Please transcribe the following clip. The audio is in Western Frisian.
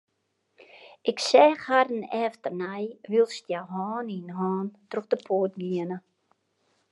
Ik seach harren efternei wylst hja hân yn hân troch de poarte giene.